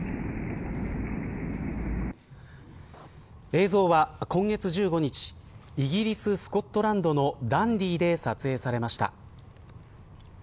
映像は今月１５日イギリス、スコットランドのダンディーで撮影されました。